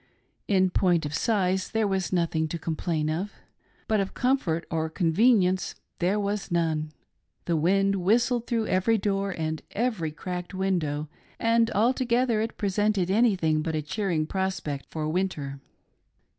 In point of size there was nothing to complain of, but of comfort or convenience there was none, — the wind whistled through every door and every cracked window ; and altogether it presented anything but a cheering prospect for winter.